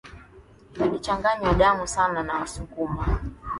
zilichanganya damu sana na Wasukuma